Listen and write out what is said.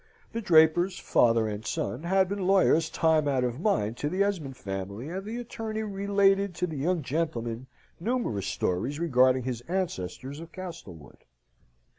The Drapers, father and son, had been lawyers time out of mind to the Esmond family, and the attorney related to the young gentleman numerous stories regarding his ancestors of Castlewood.